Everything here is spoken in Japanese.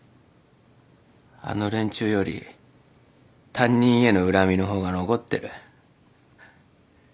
あの連中より担任への恨みの方が残ってる。